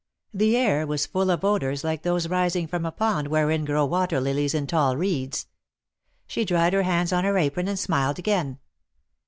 The air was full of odors like those rising from a pond wherein grow water lilies and tall reeds. She dried her hands on her apron and smiled again.